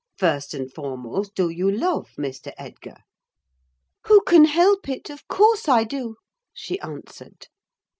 "First and foremost, do you love Mr. Edgar?" "Who can help it? Of course I do," she answered.